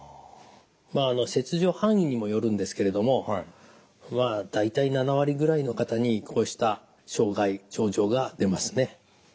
まあ切除範囲にもよるんですけれども大体７割ぐらいの方にこうした障害症状が出ますね。